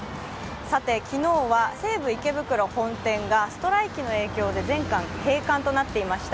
さて、昨日は西武池袋本店がストライキの影響で全館閉館となっていました